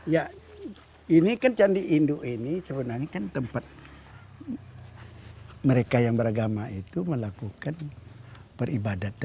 ya ini kan candi induk ini sebenarnya kan tempat mereka yang beragama itu melakukan peribadatan